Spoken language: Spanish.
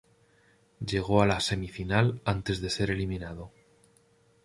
Llegó a la semifinal antes de ser eliminado.